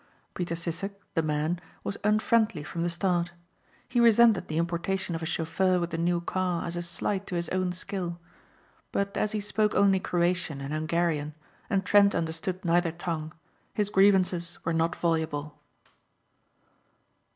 Peter Sissek, the man, was unfriendly from the start. He resented the importation of a chauffeur with the new car as a slight to his own skill. But as he spoke only Croatian and Hungarian, and Trent understood neither tongue, his grievances were not voluble.